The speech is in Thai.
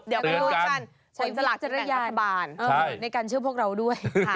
เดี๋ยวคุณผู้ชมใช้วิจารณญาณในการเชื่อพวกเราด้วย